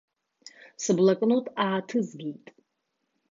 Сыблокнот ааҭызгеит.